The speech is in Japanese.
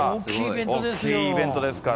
大きいイベントですから。